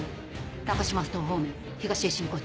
高島埠頭方面東へ進行中。